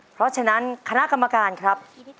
เพราะฉะนั้นคณะกรรมการครับ